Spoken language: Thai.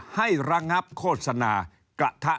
ระงับโฆษณากระทะ